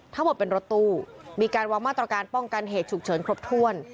ทั้งหมดเป็นรถตู้มีการวางมาตรการป้องกันเหตุฉุกเฉินครบถ้วน